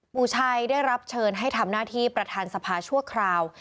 ปู่ชัยได้รับเชิญให้ทำหน้าที่ประธานสภาชั่วคราว